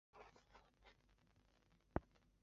此站是京王电铁车站之中唯一位于目黑区的。